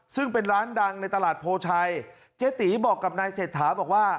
ซึ่งเป็นร้านดังในตลาดโพชัยเจ๊ตีบอกกับนายเศรษฐาบอกว่า